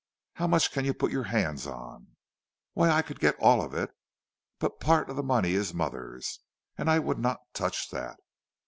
"How much can you put your hands on?" "Why, I could get all of it; but part of the money is mother's, and I would not touch that."